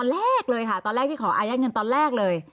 อ๋อตอนแรกเลยค่ะลักษณะที่จะขออายะเงินตอนแรกเลย